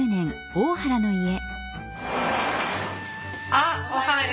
あっおはよう。